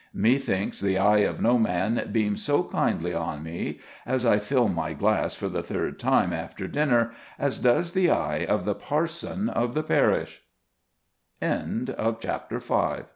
Methinks the eye of no man beams so kindly on me as I fill my glass for the third time after dinner as does the eye of the parson of the parish. VI. THE TOWN INCUMBENT.